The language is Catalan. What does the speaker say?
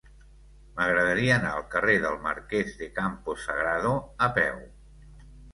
M'agradaria anar al carrer del Marquès de Campo Sagrado a peu.